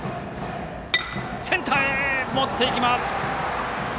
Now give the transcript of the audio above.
センターへ持っていきます！